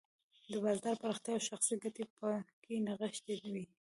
د بازار پراختیا او شخصي ګټې پکې نغښتې وې.